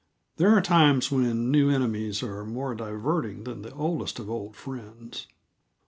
There are times when new enemies are more diverting than the oldest of old friends.